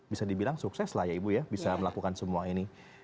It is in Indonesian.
bisa dibilang sukses lah ya ibu ya bisa melakukan semua ini